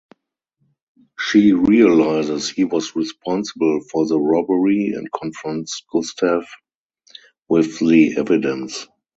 She realizes he was responsible for the robbery and confronts Gustav with the evidence.